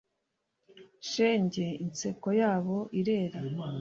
shenge inseko yabo irera